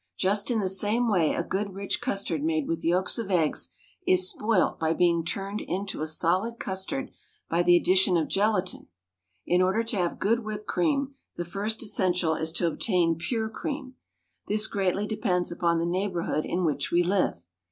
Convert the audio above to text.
Just in the same way a good rich custard made with yolks of eggs is spoilt by being turned into a solid custard by the addition of gelatine. In order to have good whipped cream, the first essential is to obtain pure cream. This greatly depends upon the neighbourhood in which we live.